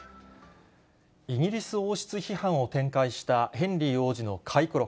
イギリス王室批判を展開したヘンリー王子の回顧録。